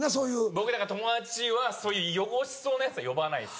僕友達はそういう汚しそうなヤツは呼ばないです。